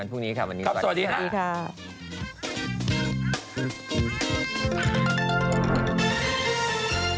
ครับทุกคนวันนี้ขอสวัสดิฮะ